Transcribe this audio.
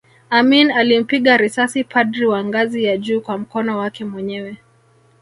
Amin alimpiga risasi padri wa ngazi ya juu kwa mkono wake mwenyewe